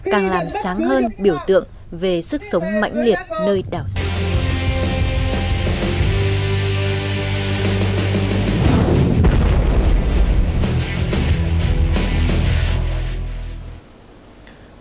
càng làm sáng hơn biểu tượng về sức sống mạnh liệt nơi đảo sơn linh